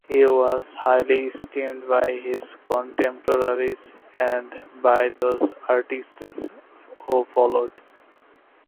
He was highly esteemed by his contemporaries and by those artists who followed.